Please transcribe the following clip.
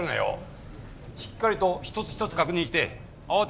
しっかりと一つ一つ確認して慌てず対応するんだ。